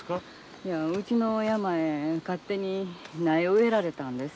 いやうちの山へ勝手に苗を植えられたんです。